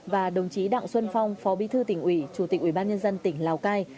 và đồng chí đặng xuân phong phó bí thư tỉnh ủy chủ tịch ubnd tỉnh lào cai